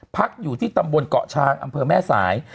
พักอยู่ที่ตำบลเกาะช้างอำเภอแม่สาย